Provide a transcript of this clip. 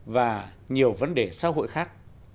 và nhiều vấn đề xã hội khác